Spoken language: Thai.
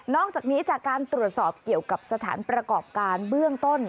อกจากนี้จากการตรวจสอบเกี่ยวกับสถานประกอบการเบื้องต้น